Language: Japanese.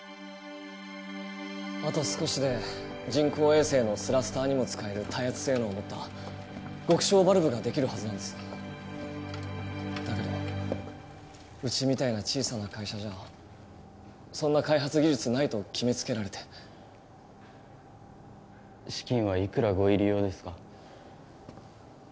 あと少しで人工衛星のスラスターにも使える耐圧性能を持った極小バルブができるはずなんですだけどうちみたいな小さな会社じゃそんな開発技術ないと決めつけられて資金はいくらご入り用ですか？